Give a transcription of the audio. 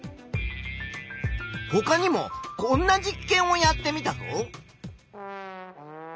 ほかにもこんな実験をやってみたぞ。